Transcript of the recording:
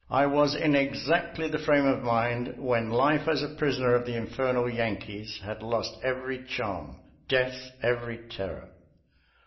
I was in exactly the frame of mind when life as a prisoner of the infernal Yankees had lost every charm; death, every terror."